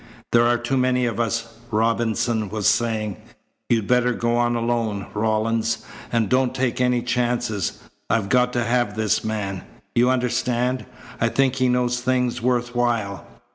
"There are too many of us," Robinson was saying. "You'd better go on alone, Rawlins, and don't take any chances. I've got to have this man. You understand? I think he knows things worth while."